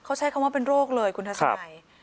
เขาใช้คำว่าเป็นโรคเลยคุณทัศนัย